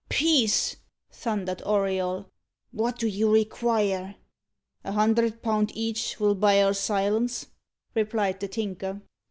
"Peace!" thundered Auriol. "What do you require?" "A hundred pound each'll buy our silence," replied the Tinker.